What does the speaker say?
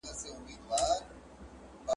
په پردیو وزرونو ځي اسمان ته